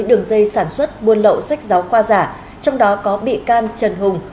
đường dây sản xuất buôn lậu sách giáo khoa giả trong đó có bị can trần hùng